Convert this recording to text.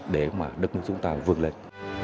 để mà đất nước chúng ta vươn lên